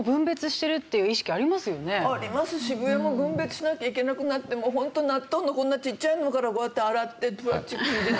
でもありますし分別しなきゃいけなくなってもうホント納豆のこんなちっちゃいのからこうやって洗ってプラスチックに入れてる。